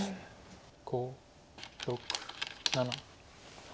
５６７８。